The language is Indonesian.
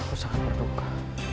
aku sangat berduka